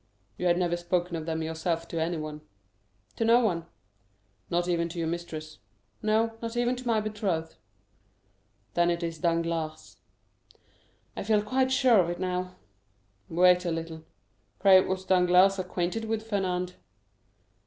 "You had never spoken of them yourself to anyone?" "To no one." "Not even to your mistress?" "No, not even to my betrothed." "Then it is Danglars." "I feel quite sure of it now." "Wait a little. Pray, was Danglars acquainted with Fernand?"